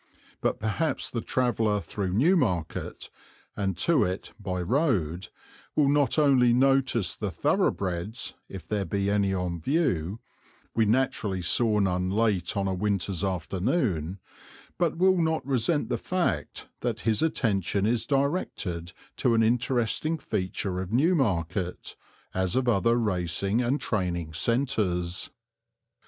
But perhaps the traveller through Newmarket, and to it, by road, will not only notice the thoroughbreds, if there be any on view we naturally saw none late on a winter's afternoon but will not resent the fact that his attention is directed to an interesting feature of Newmarket, as of other racing and training centres.